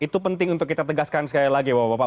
itu penting untuk kita tegaskan sekali lagi bapak bapak